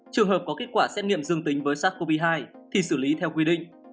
trường hợp có kết quả xét nghiệm dương tính với sars cov hai thì xử lý theo quy định